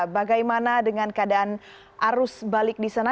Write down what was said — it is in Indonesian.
bagaimana dengan keadaan arus balik di sana